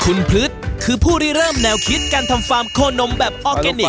คุณพฤษคือผู้รีเริ่มแนวคิดการทำฟาร์มโคนมแบบออร์แกนิค